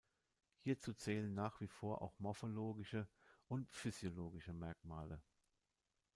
Hierzu zählen nach wie vor auch morphologische und physiologische Merkmale.